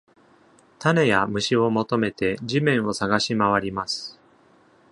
種や虫を求めて地面を探し回ります。